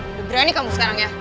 udah berani kamu sekarang ya